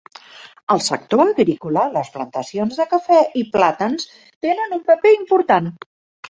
Al sector agrícola, les plantacions de cafè i plàtans tenen un paper important.